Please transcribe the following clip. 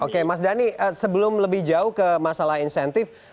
oke mas dhani sebelum lebih jauh ke masalah insentif